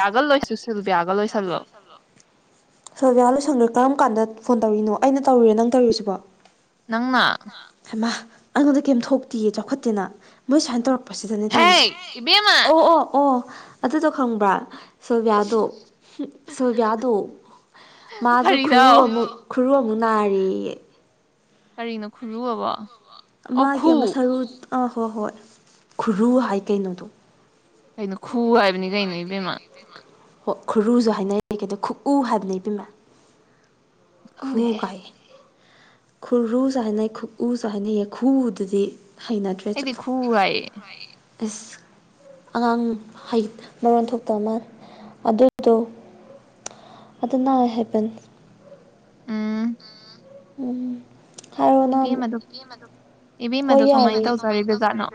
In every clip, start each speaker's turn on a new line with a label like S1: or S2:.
S1: ꯌꯥꯒ ꯂꯣꯏꯁꯨ ꯁꯤꯜꯕꯤꯌꯥꯒ ꯂꯣꯏꯁꯜꯂꯣ
S2: ꯁꯣꯚꯤꯌꯥꯂꯨꯁꯪꯒ ꯀꯔꯝ ꯀꯥꯟꯗ ꯐꯣꯟ ꯇꯧꯔꯤꯅꯣ ꯑꯩꯅ ꯇꯧꯔꯤꯔꯦ ꯅꯪ ꯇꯧꯔꯤꯁꯤꯕꯣ
S1: ꯅꯪꯅ
S2: ꯃꯥ ꯑꯩꯉꯣꯟꯗ ꯀꯩꯝ ꯊꯣꯛꯇꯤꯌꯦ ꯆꯥꯎꯈꯠꯇꯦꯅ ꯃꯣꯏ ꯁꯨꯃꯥꯏꯅ ꯇꯧꯔꯛꯄꯦ ꯁꯤꯗꯅꯦ ꯇꯧꯔꯤꯁꯦ
S1: ꯍꯦ ꯏꯕꯦꯝꯃ
S2: ꯑꯣ ꯑꯣ ꯑꯣ ꯑꯗꯨꯗꯣ ꯈꯪꯕ꯭ꯔꯥ ꯁꯣꯚꯌꯥꯗꯣ ꯁꯣꯚ꯭ꯌꯥꯗꯣ ꯃꯥꯗꯣ ꯈꯨꯔꯨ
S1: ꯀꯔꯤꯅꯣ
S2: ꯑꯃꯨꯛ ꯐꯨꯔꯨ ꯑꯃꯨꯛ ꯅꯥꯔꯤꯌꯦ
S1: ꯀꯔꯤꯅꯣ ꯈꯨꯔꯨꯑꯕꯣ
S2: ꯃꯥꯒꯤ ꯑꯃ ꯁꯔꯨ ꯑꯥ ꯍꯣꯏ ꯍꯣꯏ ꯈꯨꯔꯨ ꯍꯥꯏ ꯀꯩꯅꯣꯗꯣ
S1: ꯑꯩꯅꯣ ꯈꯨ ꯍꯥꯏꯕꯅꯤ ꯀꯩꯅꯣ ꯏꯕꯦꯝꯃꯥ
S2: ꯍ ꯈꯨꯔꯨꯁꯨ ꯍꯥꯏꯅꯔꯤ ꯀꯦ ꯑꯗꯣ ꯈꯨꯀꯨ ꯍꯥꯏꯕꯅ ꯏ ꯄꯝꯃꯦ ꯈꯨ
S1: ꯈꯪꯗꯦꯍꯦ
S2: ꯀꯥꯏ ꯈꯨꯨꯁꯨ ꯍꯥꯏꯅꯩꯎꯁꯨ ꯍꯥꯏꯅꯩ ꯌꯦ ꯈꯨꯨꯗꯗꯤ
S1: ꯑꯩꯗꯤ ꯈꯨ
S2: ꯑꯁ ꯑꯉꯥꯡ ꯍꯩ ꯃꯔꯣꯟ ꯊꯣꯛꯇ ꯑꯃ ꯑꯗꯨꯗꯣ ꯑꯗꯨ ꯍꯥꯏꯕꯦꯟ
S1: ꯎꯝ
S2: ꯎꯝ ꯍꯥꯏꯔꯅꯥ
S1: ꯏꯕꯦꯝꯃꯗꯣ
S2: ꯍꯣꯏ
S1: ꯏꯕꯦꯝꯃꯗꯣ
S2: ꯌꯥꯔ
S1: ꯀꯃꯥꯏꯅ ꯇꯧꯖꯔꯤꯕꯖꯥꯠꯅꯣ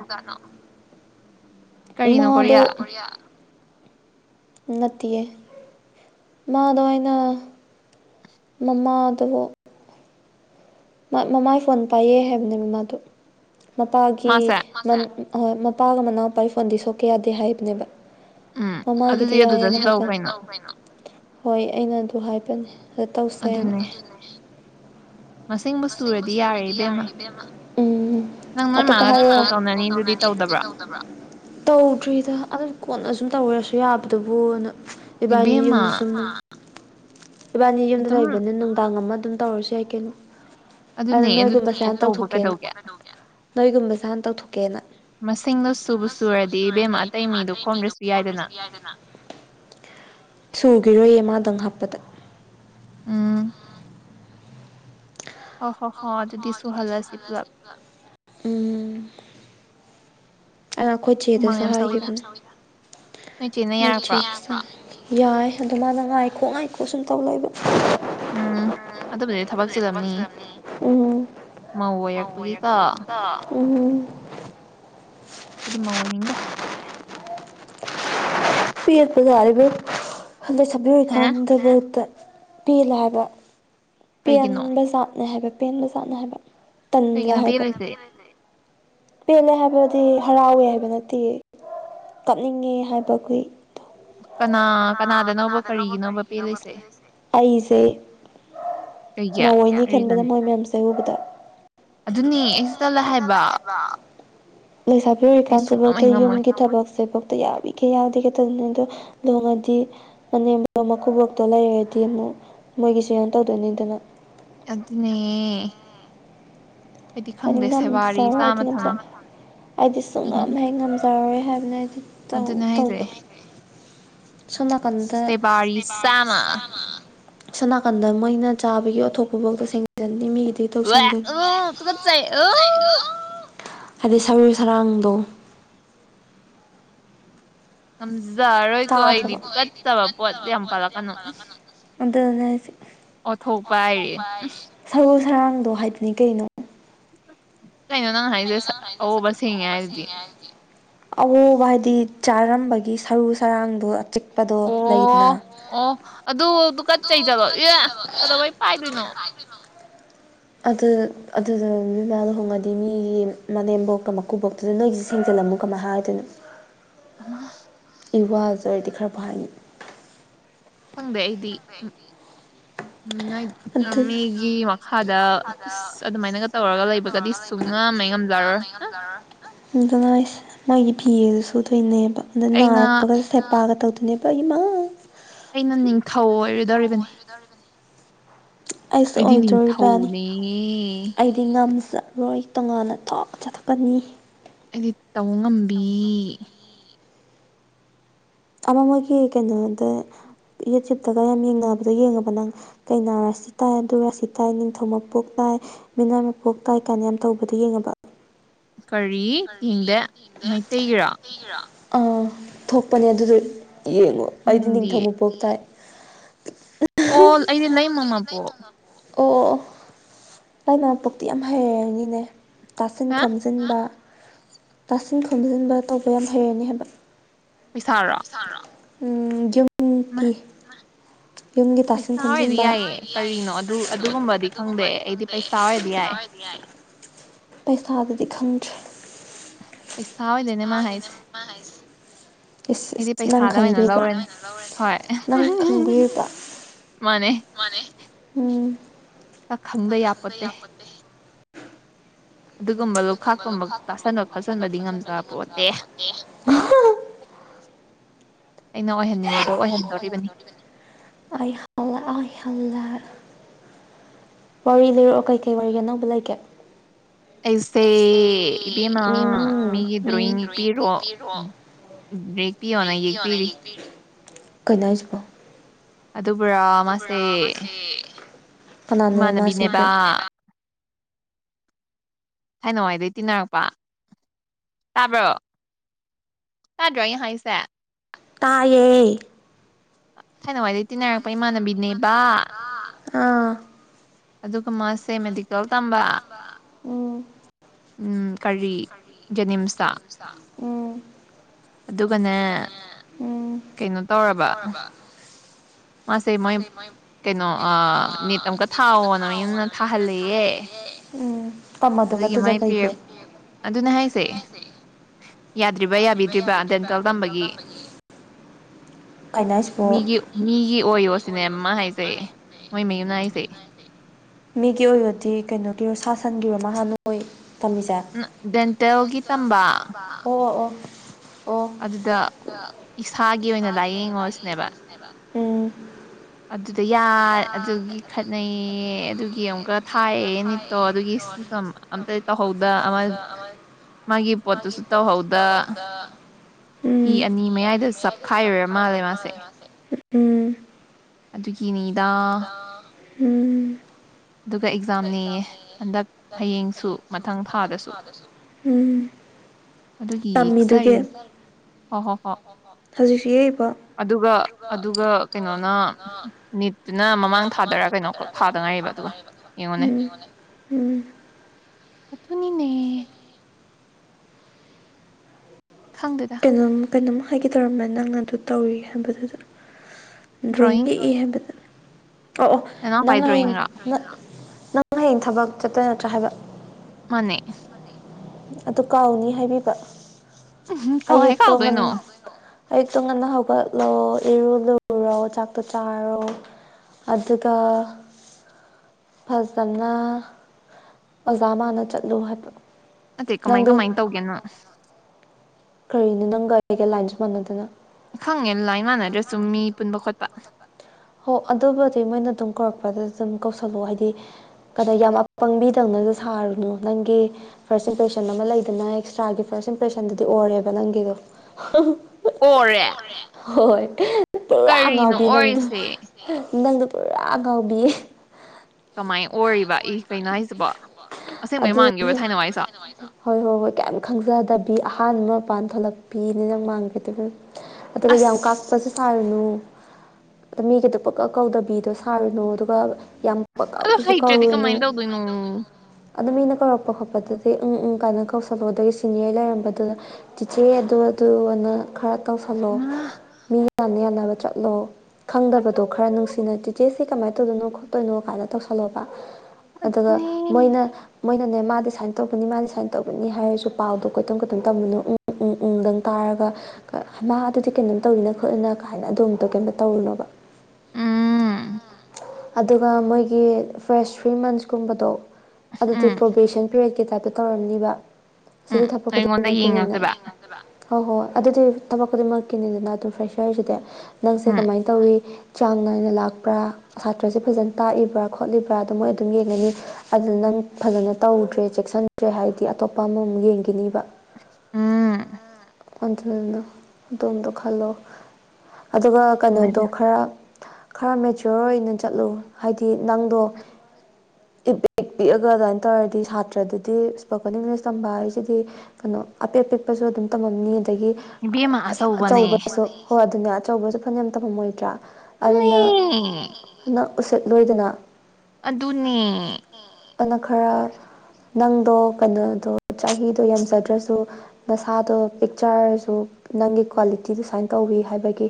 S1: ꯀꯔꯤꯅꯣ
S2: ꯃꯥꯗ
S1: ꯀꯣꯔꯤꯌꯥ
S2: ꯅꯠꯇꯌꯦ ꯃꯥꯗ ꯑꯩꯅ ꯃꯃꯥꯗꯨꯕꯨ ꯃꯃꯥꯏ ꯐꯣꯟ ꯄꯥꯏꯑ ꯍꯥꯏꯕꯅꯦ ꯃꯃꯥꯗꯣ ꯃꯄꯥꯒꯤ
S1: ꯃꯥꯁꯦ
S2: ꯃꯄꯥꯒ ꯃꯅꯥꯎꯄꯥꯔꯤ ꯐꯣꯟꯗꯤ ꯁꯣꯛꯀ ꯌꯥꯗꯦ ꯍꯥꯏꯕꯅꯦꯕ
S1: ꯎꯝ ꯑꯗꯨꯗꯤ
S2: ꯃꯒꯗꯌꯥꯅ
S1: ꯑꯗꯨꯗꯁꯨ
S2: ꯍꯥꯏ
S1: ꯇꯧ ꯀꯩꯅꯣ
S2: ꯍꯣꯏ ꯑꯩꯅ ꯑꯗꯨ ꯍꯥꯏꯕꯅꯦ ꯇꯧꯁꯦꯅ
S1: ꯑꯗꯨꯅꯦ
S2: ꯃꯁꯤꯡꯕꯨ ꯁꯨꯔꯗꯤ ꯌꯥꯕꯦꯝꯃ ꯎꯝ
S1: ꯅꯪ ꯅꯣꯏ ꯃꯥꯒ ꯀꯣꯛ ꯇꯧꯅꯅꯤ ꯑꯗꯨꯗꯤ ꯇꯧꯗꯕ꯭ꯔꯣ
S2: ꯇꯧꯗ꯭ꯔꯤꯗ ꯑꯗꯨꯝ ꯀꯣꯟꯅꯨꯝ ꯇꯧꯋꯦꯁꯨ ꯌꯥꯕꯗꯨꯕꯨ ꯑꯗꯨ ꯏꯕꯥꯅꯤ
S1: ꯏꯕꯦꯝꯃ
S2: ꯌꯨꯝꯗ ꯁꯨꯝ ꯏꯕꯥꯅꯤ ꯌꯨꯝꯗ
S1: ꯑꯗꯨꯝ
S2: ꯂꯩꯕꯅꯤ ꯅꯨꯡꯗꯥꯡ ꯑꯃ ꯑꯗꯨꯝ ꯇꯧꯔꯁꯨ ꯌꯥꯏ ꯀꯩꯅꯣ
S1: ꯑꯗꯨꯅꯦ
S2: ꯑꯗꯨꯗ
S1: ꯑꯗꯨ
S2: ꯅꯣꯏꯒꯨꯝꯕꯁ
S1: ꯀꯣꯛ
S2: ꯌꯥꯝꯥꯟ
S1: ꯇꯧꯕ
S2: ꯇꯧꯊꯣꯛꯀꯦꯅ
S1: ꯀꯩꯗꯧꯒꯦ
S2: ꯅꯣꯏꯒꯨꯝꯕꯁꯦ ꯌꯥꯝꯅ ꯇꯧꯊꯣꯛꯀꯦꯅ
S1: ꯃꯁꯤꯡꯗꯨꯣ ꯁꯨꯕ ꯁꯨꯔꯗꯤ ꯏꯕꯦꯝ ꯑꯇꯩ ꯃꯤꯗꯨ ꯈꯣꯝꯗ꯭ꯔꯁꯨ ꯌꯥꯏꯗꯅ
S2: ꯁꯨꯈꯤꯔꯣꯏꯌꯦꯃꯥꯗꯪ ꯍꯥꯞꯄꯗ
S1: ꯎꯝ ꯍꯣꯏ ꯍꯣꯏ
S2: ꯑꯣ
S1: ꯍꯣꯏ
S2: ꯍꯣ ꯍ
S1: ꯑꯗꯨꯗꯤ
S2: ꯑꯗꯨꯗꯤꯁꯨ
S1: ꯁꯨꯍꯜꯂꯁꯤ ꯄꯨꯂꯞ
S2: ꯍꯜꯁꯤꯦ ꯏ ꯎꯝ ꯑꯈꯣꯏ ꯆꯗ
S1: ꯍꯨꯃꯥꯡ ꯌꯥꯝ ꯁꯧꯋꯤꯗ ꯅꯣꯏ ꯆꯦꯅ
S2: ꯁꯍꯅ
S1: ꯌꯥꯔꯛꯄ꯭ꯔꯣ
S2: ꯌꯥꯏ ꯑꯗ ꯃꯥꯅ ꯉꯥꯏꯈꯣ ꯉꯥꯏꯈꯣ ꯁꯨꯝ ꯇꯧ ꯂꯛꯏꯕ
S1: ꯎꯝ ꯑꯗꯨꯕꯨꯗꯤ
S2: ꯑꯗꯨꯕꯨ ꯊꯕꯛ
S1: ꯆꯤꯜꯂꯝꯅꯤ
S2: ꯆꯨꯅꯤ
S1: ꯃꯧ
S2: ꯎꯧꯔ
S1: ꯑꯣꯏꯔꯛꯄꯒꯤꯀꯣ
S2: ꯎꯝ
S1: ꯑꯗꯨꯗꯤꯃ ꯑꯣꯏꯅꯤꯡꯗ
S2: ꯐ ꯄꯖꯔꯦ ꯑꯜ ꯁ
S1: ꯍꯦ
S2: ꯈꯟꯗꯣꯠꯇ ꯄꯦꯜꯂꯦ ꯍꯥꯏꯕ
S1: ꯀꯩꯒꯤꯅꯣ
S2: ꯄꯦꯟꯕꯖꯥꯠꯅꯦ ꯍꯥꯏꯕ ꯄꯦꯟꯕꯖꯥꯠꯅꯦ ꯍꯥꯏꯕ ꯇꯜꯥ
S1: ꯀꯩꯒꯤꯅꯣ
S2: ꯍꯥꯐꯤ
S1: ꯄꯦꯜꯂꯤꯁꯦ
S2: ꯄꯦꯜꯂꯦ ꯍꯥꯏꯕꯗꯤ ꯍꯔꯥꯎꯋꯦ ꯍꯥꯏꯕ ꯅꯠꯇꯦ ꯀꯞꯅꯤꯡꯉꯦ ꯍꯥꯏꯕ ꯑꯩꯈꯣꯏ ꯀꯅꯥ
S1: ꯀꯅꯥꯗꯅꯣꯕ
S2: ꯀꯅꯥꯗꯅꯣ
S1: ꯀꯔꯤꯒꯤꯅꯣꯕ
S2: ꯀꯔꯤꯒꯤꯅꯣ
S1: ꯄꯦꯜꯂꯤꯁꯦ
S2: ꯄꯗꯁꯦ ꯑꯩꯁꯦ
S1: ꯀꯩꯒꯤ
S2: ꯅꯧꯑꯣꯏꯅꯤ
S1: ꯔꯤꯖꯟ
S2: ꯈꯟꯕꯗ ꯃꯣꯏ ꯃꯌꯥꯝꯁꯎꯨꯕꯗ
S1: ꯑꯗꯨꯅꯤ ꯑꯩꯁꯨ ꯆꯠꯂ ꯍꯥꯏꯕ ꯑꯩ
S2: ꯂꯩꯁꯥꯕꯤꯔꯔꯤꯀꯥꯟꯁꯤꯦ
S1: ꯁꯨꯡꯉꯝ
S2: ꯐꯧꯗ
S1: ꯍꯦꯛ ꯉꯝꯃꯣꯏ
S2: ꯌꯨꯝꯒꯤ ꯊꯕꯛꯁꯦ ꯐꯥꯎ ꯌꯥꯎꯕꯤꯒꯦ ꯌꯥꯗ ꯑꯗꯣ ꯂꯣꯡꯉꯗꯤ ꯑꯅꯦꯝ ꯃꯀꯨꯕꯇꯣ ꯂꯩꯔꯗꯤ ꯑꯃꯨꯛ ꯃꯣꯏꯒꯤꯁꯨ ꯌꯥꯝ ꯇꯧꯗꯣꯏꯅꯤꯗꯅ
S1: ꯑꯗꯨꯅꯦ ꯑꯩꯈꯣꯏꯗꯤ ꯈꯪꯗꯦ
S2: ꯄꯁꯥ
S1: ꯁꯦꯕꯥꯔꯤ ꯆꯥꯝꯃ ꯊꯝꯅꯤ
S2: ꯑꯩꯗꯤ ꯁꯨꯡ ꯍꯦꯛ ꯉꯝꯖꯔꯔꯣꯏ ꯍꯥꯏꯕꯅ ꯑꯩꯗꯤ
S1: ꯑꯗꯨꯅꯦ ꯍꯥꯏꯁꯦ
S2: ꯇꯧꯕꯅꯤ ꯁꯣꯅꯥꯀꯟꯗ
S1: ꯁꯦꯕꯥꯔꯤ ꯆꯥꯝꯃ
S2: ꯁꯣꯅꯥꯀꯟꯗ ꯃꯣꯏꯅ ꯊꯥꯕꯒꯤ ꯑꯊꯣꯛꯄꯐꯧꯗ ꯁꯦꯡꯖꯤꯟ ꯃꯤꯒꯤꯗꯤ ꯇꯧ
S1: ꯋꯦ ꯎ
S2: ꯁꯦꯡꯗꯣꯏꯅꯤ
S1: ꯇꯨꯀꯠꯆꯩ ꯎ
S2: ꯍꯥꯏꯗꯩ ꯁꯔꯨ ꯁꯔꯥꯡꯗꯣ
S1: ꯌꯥꯝꯖꯔꯣꯏꯀꯣ ꯑꯩꯗꯤ
S2: ꯇꯥꯗ꯭ꯔꯕꯣ
S1: ꯨꯀꯠꯆꯕ ꯄꯣꯠ ꯌꯥꯝ ꯄꯥꯠꯂꯛꯀꯅꯨ
S2: ꯑꯗꯨꯅ
S1: ꯍꯥꯏꯔꯤ
S2: ꯁꯒꯣꯜ ꯁꯔꯥꯡꯗꯣ ꯍꯥꯏꯕꯅꯤ ꯀꯩꯅꯣ
S1: ꯀꯩꯅꯣ ꯍꯥꯏꯁꯦ ꯑꯣꯁ ꯍꯦꯉꯦ ꯍꯥꯏꯔꯗꯤ
S2: ꯑꯋꯣꯕ ꯍꯥꯏꯗꯤ ꯆꯥꯔꯝꯕꯒꯤ ꯁꯔꯨ ꯁꯔꯥꯡꯗꯣꯤꯛ ꯆꯠꯄꯗꯣ ꯂꯩꯗꯅ
S1: ꯑꯣ ꯑꯣ ꯑꯗꯨ
S2: [unintelligible] [inaudible]
S1: ꯇꯨꯀꯠꯆꯩ ꯆꯠꯂꯣ ꯑꯦ ꯀꯩꯗꯧꯕꯩ ꯄꯥꯏꯗꯣꯏꯅꯣ
S2: ꯑꯗꯨꯗ ꯃꯤꯃꯥ ꯂꯨꯍꯣꯡꯉꯗꯤ ꯃꯤꯒꯤ ꯃꯅꯦꯝꯕꯣꯛꯇ ꯃꯀꯨꯕꯣꯛꯇꯨꯗ ꯅꯣꯏꯒꯤꯁꯤꯦ ꯁꯦꯡꯖꯜꯂꯝꯃꯨ ꯀꯃꯥꯏ ꯍꯥꯏꯗꯅꯣ [unintelligible] [inaudible]
S1: ꯑꯃ
S2: ꯏ ꯋꯥꯖꯔꯗꯤ ꯈꯔ ꯐꯥꯅꯤ
S1: ꯈꯪꯗꯦ ꯑꯩꯗꯤ ꯎꯝ ꯃꯤꯅ
S2: ꯑꯗꯨꯅ
S1: ꯃꯤꯒꯤ ꯃꯈꯥꯗ ꯑꯗꯨꯃꯥꯏꯅꯒ ꯇꯧꯔꯒ ꯂꯩꯕꯒꯗꯤ ꯁꯨꯡ ꯉꯝꯃꯦ
S2: ꯁꯦ [inaudible] ꯃꯥꯒꯤ ꯐꯤꯗꯨꯁꯨ ꯊꯣꯏꯅꯩꯕ ꯑꯗ
S1: ꯑꯩꯅ
S2: ꯅꯥꯔꯛꯄꯒ ꯁꯦꯄꯒ ꯇꯧꯗꯣꯏꯅꯦꯕ ꯑꯩꯒꯤꯃ
S1: ꯅ ꯅꯤꯡꯊꯧ ꯑꯣꯏꯔꯗꯧꯔꯤꯕꯅꯤ
S2: ꯑꯩꯁꯨ ꯑꯣꯏꯗꯣꯔꯤꯕꯅꯤ
S1: ꯅꯤꯡꯊꯧꯅꯦ
S2: ꯑꯩꯗꯤ ꯉꯝꯁ ꯆꯠꯔꯣꯏ ꯇꯣꯉꯥꯟꯅ ꯊꯥꯎ ꯆꯠꯊꯛꯀꯅꯤ
S1: ꯇꯧꯉꯝꯕꯤ
S2: ꯑꯃ ꯃꯣꯏꯒꯤ ꯀꯩꯅꯣꯗ ꯌꯨꯇ꯭ꯌꯨꯨꯞꯇꯒ ꯌꯥꯝ ꯌꯦꯡꯅꯕꯗꯣ ꯌꯦꯡꯉꯕ ꯅꯪ ꯀꯩꯅꯥꯔꯥꯁꯤ ꯇꯥꯏ ꯑꯗꯨ ꯔꯁꯤ ꯇꯥꯏ ꯅꯤꯡꯊꯧ ꯃꯄꯣꯛꯅ ꯃꯤꯅꯥꯏ ꯃꯄꯣꯛ ꯇꯥꯏ ꯀꯥꯏꯅ ꯌꯥꯝ ꯇꯧꯕꯗ ꯌꯦꯡꯉꯕ
S1: ꯀꯩ
S2: ꯑꯥ ꯊꯣꯛꯄꯅꯦ ꯑꯗꯨꯗ ꯌꯦꯡꯉꯣ ꯑꯩꯗꯤ ꯅꯤꯡꯊꯧ
S1: ꯌꯦꯡꯗꯤꯌꯦ
S2: ꯃꯄꯣꯛꯇꯥꯏ
S1: ꯑꯣ ꯑꯩꯗꯤ ꯂꯩ ꯃꯃꯥꯄꯣꯛ
S2: ꯑꯣ ꯂꯥꯏꯃꯄꯣꯛꯇꯤ ꯌꯥꯝ ꯍꯩꯔꯡꯅꯤꯅꯦ ꯇꯥꯁꯤꯟ
S1: ꯍꯥ
S2: ꯈꯣꯝꯖꯤꯟꯕ ꯇꯥꯁꯤꯟ ꯈꯣꯝꯖꯤꯟꯕ ꯇꯧꯕ ꯌꯥꯝ ꯍꯩꯔꯅꯤ ꯍꯥꯏꯕ
S1: ꯄꯩꯁꯥꯔꯣ ꯃꯥ
S2: ꯌꯨꯝꯀꯤꯀꯤ
S1: ꯄꯩꯁꯥ ꯑꯣꯏꯔꯗꯤ ꯌꯥꯏꯑ ꯀꯔꯤꯅꯣ ꯑꯗꯨ ꯑꯗꯨꯒꯨꯝꯕꯗꯤ ꯈꯪꯗꯦ ꯑꯩꯗꯤ ꯄꯩꯁꯥ ꯑꯣꯏꯗꯤ ꯌꯥꯏ
S2: ꯄꯩꯁꯥꯗꯗꯤ ꯈꯪꯗ꯭ꯔꯦ
S1: ꯄꯩꯤꯁ ꯊꯥ ꯑꯣꯏꯗꯅꯦ ꯃꯥ ꯍꯥꯏꯁ
S2: ꯏꯁ ꯏꯁ
S1: ꯑꯩꯗꯤ
S2: ꯅꯪ
S1: ꯄꯩꯁꯥꯗ ꯑꯣꯏꯅ
S2: ꯈꯪꯕꯤꯕ
S1: ꯂꯧꯔꯅꯤ ꯍꯣꯏ
S2: ꯅꯪ ꯈꯪꯕꯤꯔꯤꯕ
S1: ꯃꯥꯅꯦ
S2: ꯎꯝ [unintelligible] [inaudible]
S1: ꯀ ꯈꯪꯕ ꯌꯥꯄꯠꯇꯦ
S2: ꯑꯗꯨꯒꯨꯝꯕ ꯂꯣꯛꯈꯥꯛꯀꯨꯝꯕ
S1: ꯇꯥꯁꯟꯕ
S2: ꯇꯥꯁꯟ
S1: ꯈꯣꯠꯆꯟꯕꯗꯤ
S2: ꯇꯥꯁꯟꯕꯗꯤ ꯉꯝꯖꯕ
S1: ꯄꯣꯠꯇꯦ
S2: ꯄꯣꯠꯅꯦꯦ [unintelligible] [inaudible]
S1: ꯑꯩꯅ ꯑꯣꯏꯍꯟꯅꯤꯡꯉꯕ ꯑꯣꯏꯍꯟꯗꯣꯔꯤꯕꯅꯤ
S2: ꯑ ꯍꯜ ꯑꯥꯏꯍꯜꯂꯥ ꯋꯥꯔꯤ ꯂꯤꯔꯛꯑꯣ ꯀꯩꯀꯩ ꯋꯥꯔꯤ ꯑꯅꯧꯕ ꯂꯩꯒꯦ ꯑꯩꯁꯦ
S1: ꯏꯕꯦꯝꯃ
S2: ꯏꯅꯦ
S1: ꯃꯤꯒꯤ ꯗ꯭ꯔꯣꯌꯤꯡ
S2: ꯃꯤꯉꯤꯗ꯭ꯔꯣ ꯌꯦꯉ
S1: ꯌꯦꯛꯄꯤꯔꯣ
S2: ꯄꯔꯣ
S1: ꯌꯦꯛꯄꯤꯌꯣꯅ ꯌꯦꯛꯄꯤꯔꯤ
S2: ꯀꯗꯥ ꯄ
S1: ꯑꯗꯨꯕꯨꯔꯣ ꯃꯥꯁꯦ
S2: ꯐꯅꯥꯅꯣ ꯃꯥꯁꯤ
S1: ꯏꯃꯥꯟꯅꯕꯤꯅꯦꯕ ꯍꯥꯏꯅꯉꯥꯏꯗꯩ ꯇꯤꯟꯅꯔꯛꯄ ꯇꯥꯕ꯭ꯔꯣ ꯆꯥꯗ꯭ꯔꯣ ꯑꯩꯍꯁꯦ
S2: ꯇꯥꯏꯌꯦ
S1: ꯊꯥꯏꯅꯋꯥꯏꯗꯒꯤꯩ ꯇꯤꯟꯅꯔꯛꯄ ꯏꯃꯥꯟꯅꯕꯤꯅꯦꯕ ꯑꯗꯨꯒ ꯃꯥꯁꯦ ꯃꯦꯗꯤꯀꯦꯜ ꯇꯝꯕ
S2: ꯝꯕ ꯎ [inaudible]
S1: ꯎꯝ ꯀꯔꯤ ꯖꯦꯅꯤꯝꯁꯇ
S2: ꯎꯝ [inaudible] [unintelligible] ꯑꯗꯨꯒꯅꯦ ꯎ ꯀꯩꯅꯣ ꯇꯧꯔꯕ
S1: ꯑꯁꯦ ꯃꯣꯏ ꯀꯩꯅꯣ ꯑ ꯅꯦꯠ ꯑꯃꯨꯛꯀ ꯊꯥꯎꯑꯣꯣꯅ ꯃꯌꯨꯝꯗ ꯊꯥꯍꯜꯂꯌꯦꯦ
S2: ꯎꯝ ꯇꯝꯃ ꯑꯗꯨ ꯃꯇꯨꯡꯗ ꯀꯩꯀ
S1: ꯑꯗꯨꯅ ꯍꯥꯏꯁꯦ ꯌꯥꯗ꯭ꯔꯤꯕ ꯌꯥꯕꯤꯗ꯭ꯔꯤꯕ ꯗꯦꯟꯇꯜ ꯇꯝꯕꯒꯤ
S2: ꯀꯩꯅꯣ ꯍꯥꯏꯁꯤꯕꯣ
S1: ꯃꯤꯒꯤ ꯃꯤꯒꯤ ꯑꯣꯏꯌꯣ ꯁꯤꯅꯦꯃ ꯍꯥꯏꯁꯦ ꯃꯣꯏ ꯃꯌꯨꯝꯅ ꯍꯥꯏꯁꯦ
S2: ꯃꯤꯒꯤ ꯑꯣꯏꯕꯗꯤ ꯀꯩꯅꯣꯒꯤꯔꯣ ꯁꯥ ꯁꯟꯒꯤꯔꯣ ꯃꯍꯥꯟꯅ ꯑꯣꯏ
S1: ꯗꯦꯟꯇꯦꯜꯒꯤ ꯇꯝꯕ
S2: ꯑꯣ ꯑꯣ ꯑꯣ
S1: ꯑꯗꯨꯗ ꯏꯁꯥꯒꯤ ꯑꯣꯏꯅ ꯂꯥꯏ
S2: ꯎꯝ
S1: ꯑꯗꯨ ꯌꯥꯏ ꯑꯗꯨꯒꯤ ꯈꯠꯅꯩꯌꯦ ꯑꯗꯨꯒꯤ ꯑꯃꯨꯛꯀ ꯊꯥꯏꯌꯦ ꯅꯤꯠꯇꯣ ꯑꯗꯨꯒꯤ ꯁꯤꯁꯨ ꯑꯃꯛ ꯑꯝꯇ ꯇꯧꯍꯧꯗ ꯃꯥꯒꯤ ꯄꯣꯠꯇꯨꯁꯨ ꯇꯧꯍꯧꯗ ꯍꯤ
S2: ꯎꯝ
S1: ꯑꯅꯤ ꯃꯌꯥꯏꯗ ꯆꯞꯈꯥꯏꯔꯨꯔꯦ ꯃꯥꯜꯂꯦ ꯃꯥꯁꯦ
S2: ꯎꯝ
S1: ꯑꯗꯨꯒꯤꯅꯦ
S2: ꯎꯝ
S1: ꯈ ꯑꯦꯛꯖꯥꯝ ꯅꯌꯦ ꯍꯟꯗꯛ ꯍꯌꯦꯡꯁꯨ ꯃꯊꯪ ꯊꯥꯗꯁꯨ
S2: ꯎꯝ
S1: ꯑꯗꯨꯗ ꯌꯦꯒ ꯁꯔꯤ
S2: ꯍꯧꯖꯤ
S1: ꯑꯗꯨꯒ ꯑꯗꯨꯒ ꯀꯩꯅꯣꯅ
S2: ꯎꯝ
S1: ꯅꯤꯠꯇꯨ ꯅꯪ ꯃꯃꯥꯡ ꯊꯥꯗꯔ ꯀꯩꯅꯣ ꯈꯛ ꯊꯥꯗꯅꯥꯏꯕ ꯑꯗꯨꯒ ꯌꯦꯡꯉꯣꯅꯦ
S2: ꯎꯝ
S1: ꯑꯗꯨꯊꯅꯤꯅꯦ ꯈꯪꯗꯦꯗ
S2: ꯀꯩꯅꯣꯝ ꯀꯩꯅꯣꯝ ꯍꯥꯏꯒ ꯇꯧꯔꯃꯦ ꯅꯪꯅ ꯑꯗꯨ ꯇꯧꯔꯤ ꯍꯥꯏꯕꯗꯨꯗ
S1: ꯗ꯭ꯔꯣꯌꯤꯡ
S2: ꯗ꯭ꯔꯣꯌ ꯏꯍ ꯑꯣ ꯑꯣ ꯅꯪ
S1: ꯅꯅꯥꯎꯄꯥꯏ
S2: ꯍꯌꯦꯡ
S1: ꯗ꯭ꯔꯣꯌꯤꯡꯔꯣ
S2: ꯅꯪ ꯍꯌꯦꯡ ꯊꯕꯛ ꯆꯠꯇ ꯅꯠꯇ꯭ꯔꯥ ꯍꯥꯏꯕ
S1: ꯃꯅꯦ
S2: ꯑꯗꯨ ꯀꯥꯎꯅꯤ ꯍꯥꯏꯕꯤꯕ
S1: ꯎꯝ ꯀꯋꯥꯏ
S2: ꯑꯛꯇꯣ ꯉꯟ
S1: ꯀꯥꯎꯗꯣꯏꯅꯣ
S2: ꯑꯌꯨ ꯇꯣꯉꯟꯅ ꯍꯧꯒꯠꯂꯣ ꯏꯔꯨ ꯂꯨꯔꯣ ꯆꯥꯛꯇꯣ ꯆꯥꯔꯣ ꯑꯗꯨꯒ ꯐꯖꯅ ꯑꯣꯖꯥ ꯃꯥꯅ ꯆꯠꯂꯨ ꯍꯥꯏꯕ
S1: ꯅꯠꯇꯦ ꯀꯃꯥꯏ ꯀꯃꯥꯏ ꯇꯧꯒꯦꯅꯣꯏ
S2: ꯀꯔꯤꯅꫭ ꯅꯪꯒ ꯑꯩꯒ ꯂꯥꯏꯟꯁꯨ ꯃꯥꯟꯅꯗꯅ
S1: ꯈꯪꯉꯦ ꯂꯥꯏꯟ ꯃꯥꯟꯅꯗ꯭ꯔꯁꯨ ꯃꯤ ꯄꯨꯟꯕ ꯈꯣꯠꯄ
S2: ꯍꯣ ꯑꯗꯨꯕꯨꯗꯤ ꯃꯣꯏꯅ ꯑꯗꯨꯝ ꯀꯧꯔꯛꯄꯗ ꯑꯗꯨꯝ ꯀꯧꯁꯜꯂꯣ ꯍꯥꯏꯗꯤ ꯑꯗꯥ ꯌꯥꯝ ꯄꯪꯕꯤꯗꯧꯅꯒꯥ ꯁꯥꯔꯨꯅꯨ ꯅꯪꯒꯤ ꯐꯥꯔꯁ ꯏꯝꯄ꯭ꯔꯦꯁꯟ ꯑꯃ ꯂꯩꯗꯅ ꯑꯦꯛꯁꯇ꯭ꯔꯥꯒꯤ ꯐꯥꯔꯁ ꯟꯝ ꯄ꯭ꯔꯦꯁꯟꯗꯟ ꯃꯇꯧꯗꯤ ꯑꯣꯏꯔꯦꯕ ꯅꯪꯒꯤꯗꯣ [unintelligible]
S1: ꯑꯣꯔꯦ
S2: ꯍꯣꯏ ꯄꯨꯔꯥ
S1: ꯀꯔꯤꯅꯣ
S2: ꯉꯥꯎꯕꯤ ꯅꯪꯗꯣ
S1: ꯑꯣꯔꯤꯁꯦ
S2: ꯅꯪꯗꫭ ꯄꯨꯔꯥ ꯉꯥꯎꯕꯤ
S1: ꯀꯃꯥꯏ ꯑꯣꯏꯔꯤꯕ ꯏ ꯀꯩꯅꯣ ꯍꯥꯏꯁꯤꯕꯣ ꯑꯁꯦꯡꯕꯩ
S2: ꯑꯗꯨ
S1: ꯃꯥꯟꯒꯤꯕ꯭ꯔꯣ ꯊꯥꯏꯅ ꯋꯥꯏꯁꯨ
S2: ꯍꯣꯏ ꯍꯣꯏ ꯍꯣꯏ ꯀꯩꯝ ꯈꯪꯖꯗꯕꯤ ꯑꯍꯥꯟꯕ ꯃꯄꯥꯟ ꯊꯣꯛꯂꯛꯄꯤꯅꯤ ꯌꯥꯝꯉꯥꯡꯈ꯭ꯔꯦ ꯑꯗꯨ ꯑꯗꯨꯒ
S1: ꯑꯁ
S2: ꯌꯥꯝ ꯀꯥꯛꯄꯁꯨ ꯁꯥꯔꯨꯅꯨꯅꯪ [unintelligible] ꯑ ꯃꯤꯒꯗ ꯄꯛꯀ ꯀꯧꯗꯕꯤꯗꯣ ꯁꯥꯔꯨꯅꯨ ꯑꯗꯨꯒ ꯌꯥꯝ
S1: ꯑꯗꯣ
S2: ꯄꯪꯀꯧꯗꯁꯨ
S1: ꯍꯩꯇ꯭ꯔꯗꯤ
S2: ꯀꯧꯔꯨꯅ
S1: ꯀꯃꯥꯏꯅ ꯇꯧꯗꯣꯏꯅꯣ
S2: ꯑꯗꯨꯣ ꯃꯤꯅ ꯀꯧꯔꯛꯄ ꯈꯣꯠꯄꯗꯗꯤ ꯎ ꯎ ꯀꯥꯏꯅ ꯀꯧꯁꯜꯂꯛ ꯑꯗꯒꯤ ꯁꯤꯅꯤꯌꯔ ꯂꯩꯔꯝꯕꯗꯨꯗ ꯇꯤꯆꯔ ꯑꯗꯣ ꯑꯗꯨꯅ ꯈꯔ ꯇꯧꯁꯜꯂꯣ
S1: ꯃꯥ
S2: ꯃꯤ ꯌꯥꯟꯅ ꯌꯥꯟꯅꯕ ꯆꯠꯂꯣ
S1: ꯑꯗꯨ
S2: ꯈꯪꯗꯕꯗꯣ ꯈꯔ ꯅꯨꯡꯁꯤꯅ ꯆꯦꯆꯦ ꯁꯤ ꯀꯃꯥꯏꯅ ꯇꯧꯗꯣꯏꯅꯣ ꯈꯣꯠꯇꯣꯏꯅꯣ ꯀꯥꯏꯅ ꯇꯧꯁꯜꯂꯣꯕ ꯑꯗꯨꯒ
S1: ꯑꯗꯨꯅ‌ꯦ
S2: ꯃꯣꯏꯅ ꯃꯣꯏꯅꯅꯦ ꯃꯥꯗꯤ ꯁꯥꯏꯟ ꯇꯧꯕꯅꯤ ꯃꯥꯗꯤ ꯁꯥꯏꯟ ꯇꯧꯕꯅꯤ ꯍꯥꯏꯔꯁꯨ ꯄꯥꯎꯗꯣ ꯀꯩꯇꯝ ꯀꯩꯇꯝ ꯇꯝꯒꯅꯣ ꯎꯝ ꯎꯝ ꯎꯝꯗꯪ ꯇꯥꯔꯒ ꯃꯥ ꯑꯗꯨꯗꯤ ꯀꯩꯅꯣꯝ ꯇꯧꯔꯤꯅ ꯈꯣꯠꯂꯤꯅ ꯀꯥꯏꯅ ꯑꯗꯨꯝꯕꯗꫭ ꯀꯩꯝꯇ ꯇꯧꯔꯨꯅꯣꯕ
S1: ꯎꯝ
S2: ꯑꯗꯨꯒ ꯃꯣꯏꯒꯤ ꯐꯥꯔꯁ ꯊ꯭ꯔꯤ ꯃꯟꯁꯀꯨꯝꯕꯗꯣ ꯑꯗꯨꯗꯤ
S1: ꯎꯝ
S2: ꯄ꯭ꯔꯣꯕꯦꯁꯟ ꯄꯤꯔꯛꯀꯦ ꯇꯥꯏꯞꯇ ꯇꯧꯔꯝꯅꯤꯕ ꯁꯤꯗꯤ
S1: ꯎꯝ
S2: ꯊꯕꯛ
S1: ꯑꯩꯉꯣꯟꯗ
S2: ꯈꯨꯗꯤꯡꯃꯛꯀꯤꯅ‌ꯦꯅ
S1: ꯌꯦꯡꯉꯛꯇꯣꯏꯕ
S2: ꯍꯣꯏ ꯍꯣꯏ ꯑꯗꯨꯗꯤ ꯊꯕꯛ ꯈꯨꯗꯤꯡꯃꯛꯀꯤꯅꯤꯗꯅ ꯑꯗꯨ ꯐ꯭ꯔꯦꯁꯔꯁꯤꯗꯤ ꯅꯪꯁꯦ
S1: ꯎꯝ
S2: ꯀꯃꯥꯏꯅ ꯇꯧꯋꯤ ꯆꯥꯡ ꯅꯥꯏꯅ ꯂꯥꯛꯄ꯭ꯔꯥ ꯁꯥꯇ꯭ꯔꯁꯦ ꯐꯖꯅ ꯇꯥꯛꯏꯕ꯭ꯔꯥ ꯈꯣꯠꯂꯤꯕ꯭ꯔꯥ ꯑꯗꯨ ꯃꯣꯏ ꯑꯗꯨꯝ ꯌꯦꯡꯉꯅꯤ ꯑꯗꯨ ꯅꯪ ꯐꯖꯅ ꯇꯧꯗ꯭ꯔꯦ ꯆꯦꯛꯁꯤꯟꯗ꯭ꯔꯦ ꯍꯥꯏꯔꯗꯤ ꯑꯇꯣꯞꯄ ꯑꯃꯃꯨꯛ ꯌꯦꯡꯈꯤꯅꯤꯕ
S1: ꯎꯝ
S2: ꯑꯗꯨꯗꯨꯅ ꯑꯗꯣ ꯑꯝꯇꯥ ꯈꯜꯂꯣ ꯑꯗꯨꯒ ꯀꯩꯅꯣꯗꯣ ꯈꯔ ꯈꯔ ꯃꯦꯆꯌꯣꯔ ꯑꯣꯏꯅ ꯆꯠꯂꯨ ꯍꯥꯏꯗꯤ ꯅꯪꯗꯣ ꯏꯄꯤꯛ ꯄꯤꯛꯑꯒ ꯑꯗꯨꯃꯥꯏꯅ ꯇꯧꯔꯗꯤ ꯁꯥꯇ꯭ꯔꯗꯨꯗꯤ ꯏꯁꯄꯣꯀꯟ ꯏꯪꯂꯤꯁ ꯇꯝꯕ ꯍꯥꯏꯁꯤꯗꯤ ꯀꯩꯅꯣ ꯑꯄꯤꯛ ꯑꯄꯤꯄꯁꯨ ꯑꯗꯨꯝ ꯇꯝꯃꯝꯅꯤ ꯑꯗꯒꯤ
S1: ꯏꯕꯦꯝꯃ ꯑꯆꯧꯕꯅꯦ
S2: ꯑꯆꯧꯕꯁꯨ ꯍꯣꯏ ꯑꯗꯨꯅꯦ ꯑꯆꯧꯕꯁꯨ ꯐꯅꯌꯥꯝ ꯇꯝꯃꯝꯃꯣꯏꯗ꯭ꯔꯥ ꯑꯗꯨꯅ
S1: ꯑꯗꯨꯅꯦ
S2: ꯅꯪ ꯎꯁꯤꯁꯠꯂꯣꯏꯗꯅ
S1: ꯑꯗꯨꯅꯦ
S2: ꯑꯗꯨꯅ ꯈꯔ ꯅꯪꯗꯣ ꯀꯩꯅꯣꯗꯣ ꯆꯍꯤꯗꯣ ꯌꯥꯝꯖꯗ꯭ꯔꯁꯨ ꯅꯁꯥ ꯁꯥꯗꯣ ꯄꯤꯛꯆꯔꯔꯁꯨ ꯅꯪꯒꯤ ꯀ꯭ꯋꯥꯂꯤꯇꯤꯗꯨ ꯁꯨꯃꯥꯏꯅ ꯇꯧꯋꯤ ꯍꯥꯏꯕꯒꯤ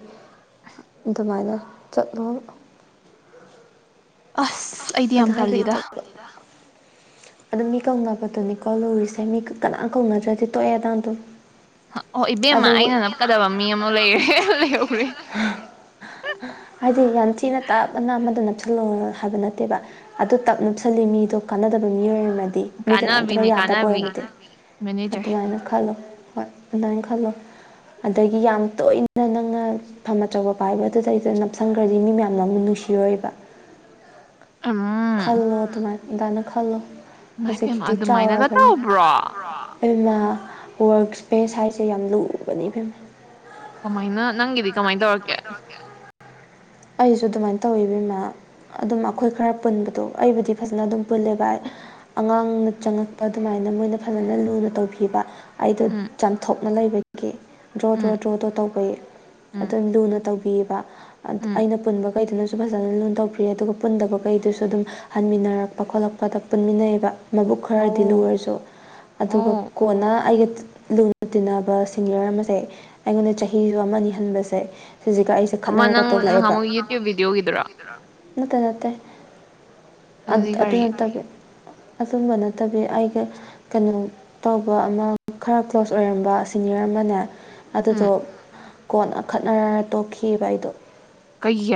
S2: ꯑꯗꯨꯃꯥꯏꯅ ꯆꯠꯂꯣꯕ
S1: ꯑꯁ ꯑꯩꯗꯤ ꯌꯥꯝ ꯇꯥꯜꯂꯤꯗ
S2: ꯑꯣ ꯃꯤ ꯀꯧꯅꯕꯗꯨꯅꯤꯀꯣ ꯂꯨꯔꯤꯁꯦ ꯃꯤ ꯀꯅꯥꯝ ꯀꯧꯅꯗ꯭ꯔꯗꯤ ꯇꯣꯛꯑꯦ ꯑꯗꯥꯝꯗꯣ
S1: ꯍꫭ ꯏꯕꯦꯝꯃ ꯑꯩꯅ ꯅꯞꯀꯗꯕ ꯃꯤ ꯑꯃ ꯂꯩꯔꯦ ꯂꯩꯍꯧꯔ‌ꯦ
S2: ꯍꯥꯏꯗꯤ ꯌꯥꯝꯊꯤꯅ ꯇꯥꯞꯅ ꯑꯃꯗ ꯅꯞꯁꯟ ꯅꯞꯁꯜꯂꯣꯅ ꯍꯥꯏꯕ ꯅꯠꯇꯦꯕ ꯑꯗꯨ ꯇꯞ ꯅꯨꯞꯁꯤꯜꯂꯤ ꯃꯤꯗꯣ ꯀꯥꯟꯅꯗꯕ ꯃꯤꯑꯣꯏꯃ ꯗꯤ ꯃꯤ ꯀꯅꯥꯝꯇꯅ
S1: ꯀꯥꯟꯅꯕꯤꯅꯦ
S2: ꯌꯥꯗꯕ
S1: ꯀꯥꯟꯅꯕꯤ
S2: ꯑꯣꯏꯔꯝꯗꯤ
S1: ꯃꯦꯅꯦꯖꯔ
S2: ꯑꯗꯨꯃꯥꯏꯅ ꯈꯜꯂꯣ ꯍꯣꯏ ꯑꯗꯨꯃꯥꯏꯅ ꯈꯜꯂꯣ ꯑꯗꯒꯤ ꯌꯥꯝ ꯇꯣꯏꯅ ꯅꯪꯅ ꯐꯝ ꯑꯆꯧꯕ ꯄꯥꯏꯕꯗꯨꯗꯩꯗ ꯅꯞꯁꯪꯈ꯭ꯔꯗꯤ ꯃꯤ ꯃꯌꯥꯝꯅ ꯑꯃꯨꯛ ꯅꯨꯡ ꯁꯤꯔꫭꯏꯕ
S1: ꯎꯨꯝ
S2: ꯑꯗꯥꯏꯅ ꯈꯜꯂꯨ ꯍꯧꯖꯤꯛꯇꯤ
S1: ꯑꯗꯨꯃꯥꯏꯅꯒ
S2: ꯆꯥꯎꯔꯔꯕꯅꯤ
S1: ꯇꯧꯕ꯭ꯔꯣ
S2: ꯍꯩꯃꯥ ꯋꯥꯔꯛ ꯏꯁꯄꯦꯁ ꯍꯥꯏꯁꯦ ꯌꯥꯝ ꯂꯨꯕꯅꯤ ꯏꯕ‌ꯦꯝꯃꯥ
S1: ꯀꯃꯥꯏꯅ ꯅꯪꯒꯤꯗꯤ ꯀꯃꯥꯏꯅ ꯇꯧꯔꯛꯀꯦ
S2: ꯑꯩꯁꯨ ꯑꯗꯨꯃꯥꯏꯅ ꯇꯧꯕ ꯏꯃ ꯑꯗꯨꯝ ꯑꯩꯈꯣꯏ ꯈꯔ ꯄꯨꯟꯕꯗꯣ ꯑꯩꯕꯨꯗꯤ ꯐꯖꯅ ꯑꯗꯨꯝ ꯄꯨꯜꯂꯦꯕ ꯑꯉꯥꯡꯅ ꯆꯪꯉꯛꯄ ꯑꯗꯨꯃꯥꯏꯅ ꯑꯗꯨ ꯃꯣꯏꯅ ꯐꯖꯅ ꯂꯨꯅ ꯇꯧꯕꯤꯕ ꯑꯩꯗꯣ
S1: ꯎꯝ
S2: ꯆꯥꯝꯊꯣꯛꯅ ꯂꯩꯕꯒꯤ ꯗ꯭ꯔꯣ ꯗ꯭ꯔꯣ
S1: ꯎꯝ
S2: ꯗ꯭ꯔꯣ ꯗ꯭ꯔꯣ ꯇꯧꯕꯒꯤ
S1: ꯎꯝ
S2: ꯑꯗꯨꯝ ꯂꯨꯅ ꯇꯧꯕ ꯄꯤꯕ
S1: ꯎꯝ
S2: ꯑꯩꯅ ꯄꯨꯟꯕꯈꯩꯗꯨꯅꯁꯨ ꯁꯨ ꯐꯖꯅ ꯂꯨꯣꯟ ꯇꯧꯕꯤꯔꯦ ꯑꯗꯨꯒ ꯄꯨꯟꯗꯕ ꯀꯩꯗꯨꯁꯨ ꯑꯗꯨꯝ ꯍꯟꯃꯤꯟꯅꯔꯛꯄ ꯈꯣꯠꯂꯛꯄꯗ ꯄꯨꯟꯃꯤꯟꯅꯩꯑꯕ ꯃꯕꯨꯛ ꯈꯔꯗꯤ
S1: ꯑꯣ
S2: ꯂꯔꯁꯨ ꯑꯗꯨꯒ
S1: ꯑꯣ
S2: ꯀꯣꯟꯅ ꯑꯩꯒ ꯂꯨꯅ ꯇꯤꯟꯅꯕ ꯁꯤꯅꯤꯌꯔ ꯑꯃꯁꯦ ꯑꯩꯉꯣꯟꯗ ꯆꯍꯤꯁꯨ ꯑꯃꯅꯤ ꯑꯅꯤ ꯍꯟꯕꯁꯦ ꯁꯤꯁꯤꯒ ꯑꯩꯁꯦ ꯈꯠꯅꯔꯒ ꯇꯣꯛꯂꯛꯑꯦꯕ
S1: ꯃ ꯌꯨꯇ꯭ꯨꯕ ꯕꯤꯗꯤꯑꯣꯒꯗ꯭ꯔꯥ
S2: ꯅꯠꯇꯦ ꯅꯠꯇꯦ
S1: ꯑꯗꯨꯗꯤ
S2: ꯑꯗꯨ
S1: ꯀꯔꯤ
S2: ꯅꯠꯇꯕꯤ ꯑꯗꯨꯝꯕ ꯅꯠꯇꯕꯤ ꯑꯩꯒ ꯀꯩꯅꯣ ꯇꯧꯕ ꯑꯃ ꯈꯔ ꯀ꯭ꯂꯣꯁ ꯑꯣꯏꯔꯝꯕ ꯑꯁꯤ ꯅꯤꯌꯔ ꯑꯃꯅꯦ ꯑꯗꯨꯗꯣ
S1: ꯎꯝ
S2: ꯀꯣꯟꯅ ꯈꯠꯅꯔꯒ ꯇꯣꯛꯈꯤꯕꯑꯈꯤꯕ ꯑꯩꯗꯣ
S1: ꯀꯩꯒꯤ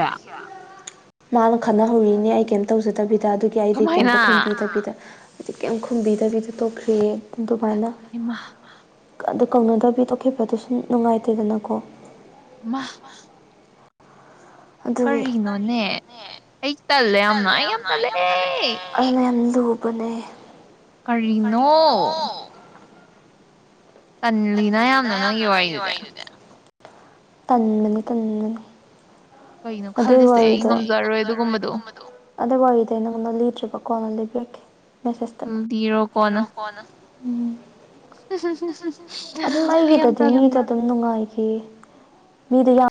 S2: ꯃꯥꯅ ꯈꯅꯍꯧꯔꯤꯅꯦ ꯑꯩ ꯀꯩꯝ ꯇꯧꯖꯗꯕꯤꯗ ꯑꯗꯨ ꯗ ꯑꯗꯨꯒꯤ ꯑꯩꯗꯤ ꯀꯩꯝꯇ
S1: ꯀꯃꯥꯏꯅ
S2: ꯈꯨꯝꯕꯤꯗꯕꯤꯗ ꯍꯥꯏꯗꯤ ꯀꯩꯝ ꯈꯨꯝꯕꯤꯗꯕꯤꯗ ꯇꯣꯛꯈ꯭ꯔꯤꯌꯦ ꯑꯗꯨꯃꯥꯏꯅ
S1: ꯏꯃꯥ
S2: ꯑꯗꯨ ꯀꯧꯅꯗꯕꯤ ꯇꯧꯈꯤꯕꯗꯁꯨꯨꯝ ꯅꯨꯡꯉꯥꯏꯇꯦꯗꯅꯀꯣ
S1: ꯋꯥ
S2: ꯑꯗꯨ
S1: ꯀꯔꯤꯅꯣꯅꯦ
S2: ꯀꯔꯤꯒꯤꯅꯣꯅꯦ ꯍ ꯇꯜꯂꯦ ꯌꯥꯝꯅ ꯑꯩ ꯌꯥꯝ ꯇꯜꯂꯦ ꯑꯊꯨꯕꯅꯦ
S1: ꯀꯔꯤꯅꯣ ꯀꯜꯂꯤꯅ ꯌꯥꯝꯅ ꯅꯪꯒꯤ ꯋꯥꯔꯤꯗꯨꯗꯤ
S2: ꯇꯟꯃꯤꯅꯤ ꯇꯟꯅꯅꯤ
S1: ꯀꯩꯅꯣ ꯈꯜꯂꯤꯁꯦ ꯑꯩ ꯉꯝꯖꯔꯣꯏꯗ
S2: ꯑꯗꯨ ꯋꯥꯔꯤꯗꯤ ꯅꯪꯉꯣꯟꯗ ꯂꯤꯗ꯭ꯔꯤꯕ ꯀꯣꯟꯅ ꯂꯤꯕꯤꯔꯛꯀꯦ ꯃꯦꯁꯦꯁꯇ
S1: ꯎꯝ ꯂꯤꯔꯣ ꯀꯣꯟꯅ
S2: ꯎ ꯑꯗꯨꯝ
S1: ꯑꯩ ꯌꯥꯝ
S2: ꯑꯩꯒꯤꯗꯗꯤ
S1: ꯇꯜꯂꯤ
S2: ꯃꯤꯗ ꯑꯗꯨꯝ ꯅꯨꯡꯉꯥꯏꯈꯤ ꯃꯤꯗꯤ ꯌꯥꯝ